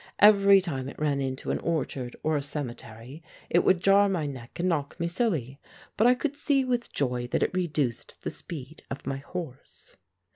Every time it ran into an orchard or a cemetery it would jar my neck and knock me silly. But I could see with joy that it reduced the speed of my horse.